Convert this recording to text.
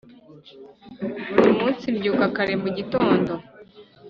buri munsi mbyuka kare mu gitondo